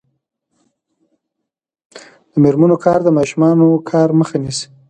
د میرمنو کار د ماشوم کار مخه نیسي.